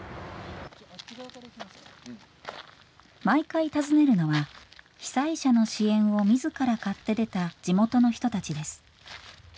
毎回訪ねるのは被災者の支援を自ら買って出た地元の人たちです。